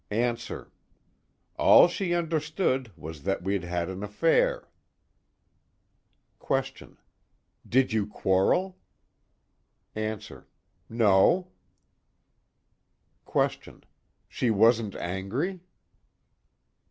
ANSWER: All she understood was that we'd had an affair. QUESTION: Did you quarrel? ANSWER: No. QUESTION: She wasn't angry?